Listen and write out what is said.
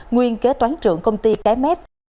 nguyên kế toán trưởng công ty cái mép